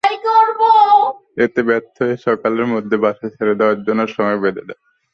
এতে ব্যর্থ হয়ে সকালের মধ্যে বাসা ছেড়ে দেওয়ার জন্য সময় বেঁধে দেন।